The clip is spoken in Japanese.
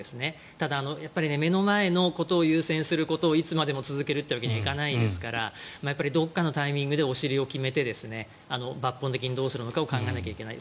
ただ、目の前のことを優先することをいつまでも続けるわけにはいかないですからどこかのタイミングでお尻を決めて抜本的にどうするのかを考えなきゃいけない。